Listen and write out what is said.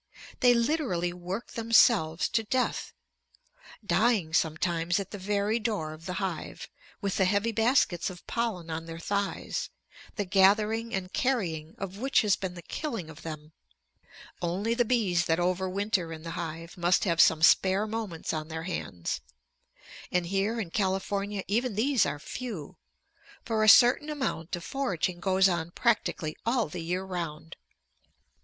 They literally work themselves to death, dying sometimes at the very door of the hive, with the heavy baskets of pollen on their thighs, the gathering and carrying of which has been the killing of them. Only the bees that over winter in the hive must have some spare moments on their hands. And here in California even these are few, for a certain amount of foraging goes on practically all the year round.